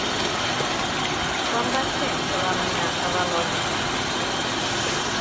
Quan va ser que vam anar a Balones?